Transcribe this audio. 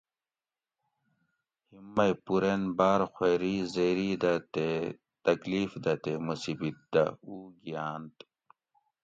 ہِیم مئی پورین باۤر خوئیری زیری دہ تے تکلیف دہ تے مصیبت دہ اُو گیاۤنت